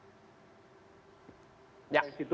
ya di situ telah menyirimkan surat